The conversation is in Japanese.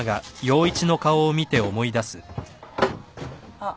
あっ。